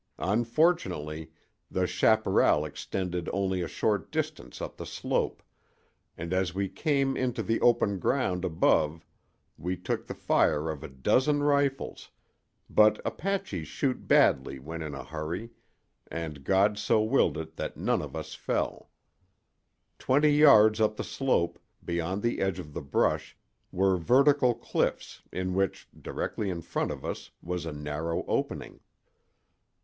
Unfortunately the chaparral extended only a short distance up the slope, and as we came into the open ground above we took the fire of a dozen rifles; but Apaches shoot badly when in a hurry, and God so willed it that none of us fell. Twenty yards up the slope, beyond the edge of the brush, were vertical cliffs, in which, directly in front of us, was a narrow opening.